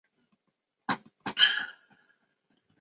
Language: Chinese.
现时温和民主派的协调及对外组织是民主派会议。